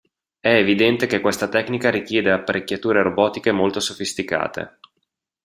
È evidente che questa tecnica richiede apparecchiature robotiche molto sofisticate.